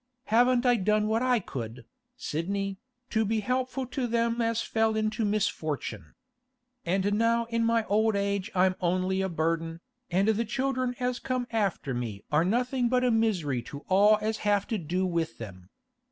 Haven't I done what I could, Sidney, to be helpful to them as fell into misfortune? And now in my old age I'm only a burden, and the children as come after me are nothing but a misery to all as have to do with them.